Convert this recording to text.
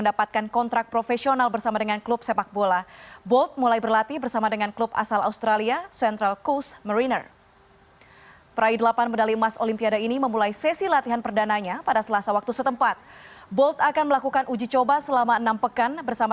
dalam operasi penyelamatan kali ini anak sungai raganelo berada di sebuah ngarai yang sempit dengan kedalaman satu km